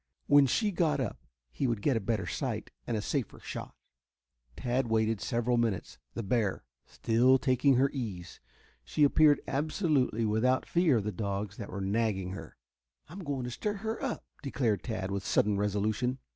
When she got up he would get a better sight and a safer shot. Tad waited several minutes, the bear still taking her ease. She appeared absolutely without fear of the dogs that were nagging her. "I'm going to stir her up," declared Tad with sudden resolution.